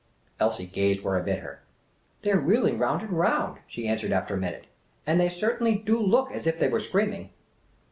Elsie gazed where I bid her. " They 're wheeling round and round," she answered, after a minute ;" and they cer tainly do look as if they were screaming."